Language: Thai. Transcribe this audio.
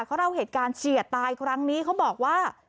เขาเล่าเหตุการณ์เฉียดตายครั้งนี้เขาบอกว่า